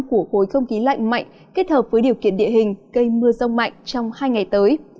của khối không khí lạnh mạnh kết hợp với điều kiện địa hình cây mưa rông mạnh trong hai ngày tới